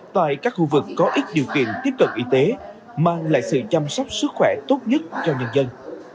tại các khu vực có ít điều kiện tiếp cận y tế mang lại sự chăm sóc sức khỏe tốt nhất cho nhân dân